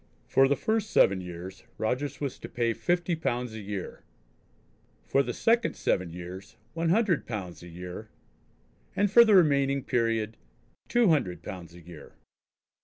For the first seven years Rogers was to pay fifty pounds a year; for the second seven years one hundred pounds a year; and for the remaining period two hundred pounds a year.